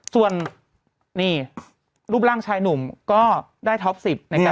ส่วนนี่รูปร่างชายหนุ่มก็ได้ท็อปสิบในการแต่งใจอ่ะ